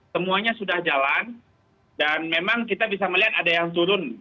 semuanya sudah jalan dan memang kita bisa melihat ada yang turun